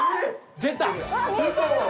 出た！